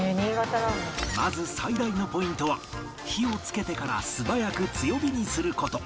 まず最大のポイントは火をつけてから素早く強火にする事